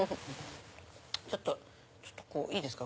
ちょっといいですか？